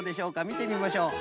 みてみましょう。